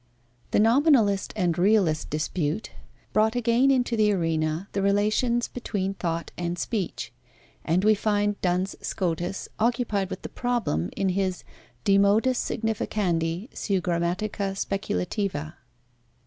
The nominalist and realist dispute brought again into the arena the relations between thought and speech, and we find Duns Scotus occupied with the problem in his De modis significandi seu grammatica speculativa.